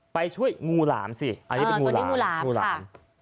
ไปช่วยงูหลามสิอันนี้เป็นงูหลามงูหลาม